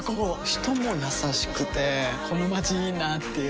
人も優しくてこのまちいいなぁっていう